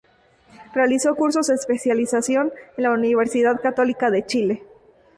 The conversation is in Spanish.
Realizó cursos de especialización en la Universidad Católica de Chile.